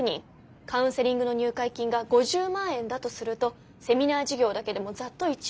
カウンセリングの入会金が５０万円だとするとセミナー事業だけでもざっと１億円。